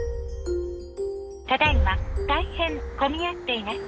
ただいま大変混み合っています。